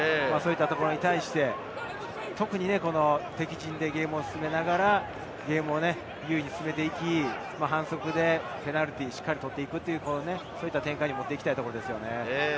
それに対して特に敵陣でゲームを進めながら、優位に進めていって、反則でペナルティーを取っていく、そういった展開に持っていきたいところですよね。